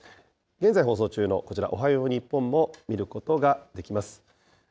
現在放送中のこちら、おはよう日本も見ることができます。